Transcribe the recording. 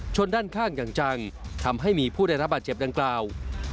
ด้านข้างอย่างจังทำให้มีผู้ได้รับบาดเจ็บดังกล่าว